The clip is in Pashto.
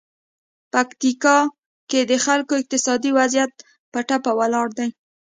پکتیکا کې د خلکو اقتصادي وضعیت په ټپه ولاړ دی.